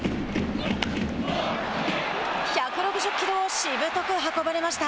１６０キロをしぶとく運ばれました。